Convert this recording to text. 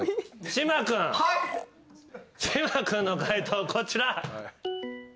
島君の解答こちら。